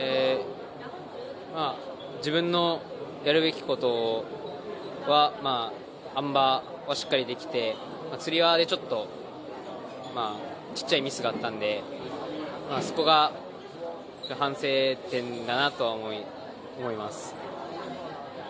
自分のやるべきことは、あん馬はしっかりできてつり輪でちょっとちっちゃいミスがあったんでそこが反省点だなとは思います。